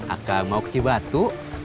akang mau kecih batu